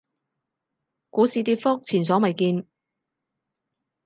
股市跌幅前所未見